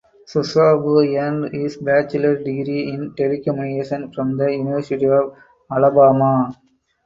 Szabo earned his Bachelor’s degree in telecommunications from the University of Alabama.